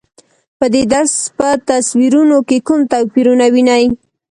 په دې درس په تصویرونو کې کوم توپیرونه وینئ؟